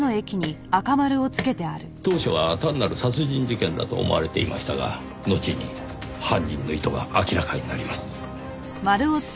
当初は単なる殺人事件だと思われていましたがのちに犯人の意図が明らかになります。